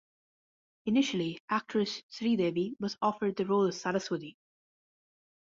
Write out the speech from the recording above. Initially, actress Sridevi was offered the role of Saraswati.